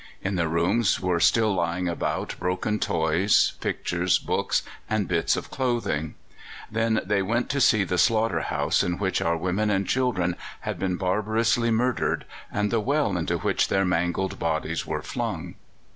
In the rooms were still lying about broken toys, pictures, books, and bits of clothing. They then went to see the slaughter house in which our women and children had been barbarously murdered and the well into which their mangled bodies were flung.